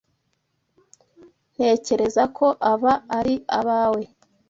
Ntekereza ko aba ari abawe.